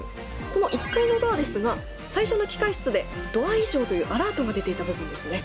この１階のドアですが最初の機械室で「ドア異常」というアラートが出ていた部分ですね。